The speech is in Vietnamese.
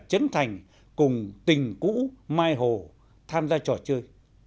trấn thành cùng tình cũ mai hồ tham gia trò chơi